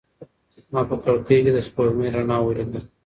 ما په کړکۍ کې د سپوږمۍ رڼا ولیده.